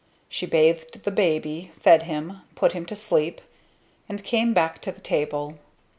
She bathed the baby, fed him, put him to sleep; and came back to the table.